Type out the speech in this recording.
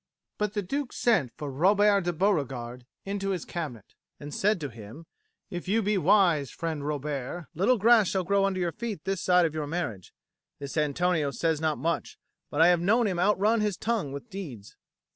But the Duke sent for Robert de Beauregard into his cabinet and said to him: "If you be wise, friend Robert, little grass shall grow under your feet this side your marriage. This Antonio says not much; but I have known him outrun his tongue with deeds."